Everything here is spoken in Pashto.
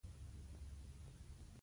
زما سره روپۍ نه شته، زه ډېر غريب يم.